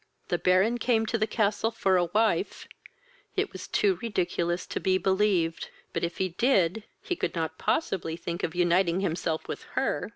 "The Baron came to the castle for a wife!" It was too ridiculous to be believed; but, if he did, he could not possibly think of uniting himself with her!